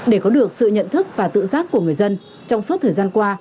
để có được sự nhận thức và tự giác của người dân trong suốt thời gian qua